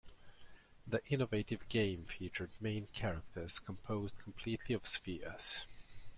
The innovative game featured main characters composed completely of spheres.